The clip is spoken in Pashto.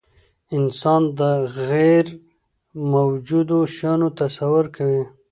انسان د غیرموجودو شیانو تصور کوي.